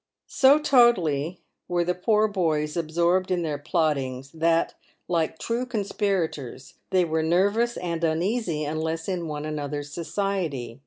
So totally were the poor boys absorbed in their plottings, that, like true conspirators, they were nervous and uneasy unless in one another's society.